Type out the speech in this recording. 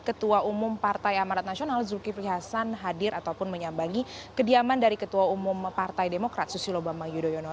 ketua umum partai amarat nasional zulkifli hasan hadir ataupun menyambangi kediaman dari ketua umum partai demokrat susilo bambang yudhoyono